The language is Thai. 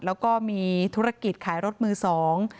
แล้วก็มีธุรกิจขายรถมือสอง